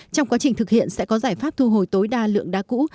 trong quá trình thực hiện sẽ có giải pháp thu hồi tối đa lượng đá cũ